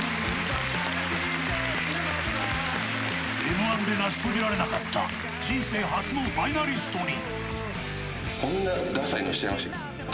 Ｍ‐１で成し遂げられなかった人生初のファイナリストに。